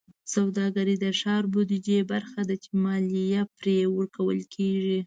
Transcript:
سوداګرۍ د ښاري بودیجې برخه ده چې مالیه پرې ورکول کېږي.